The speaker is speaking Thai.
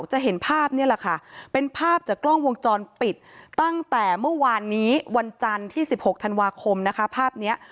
จะเห็นภาพนี่แหละค่ะเป็นภาพจากกล้องวงจรปิดตั้งแต่เมื่อวานนี้วันจันทร์ที่๑๖ธันวาคมนะคะภาพนี้